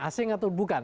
asing atau bukan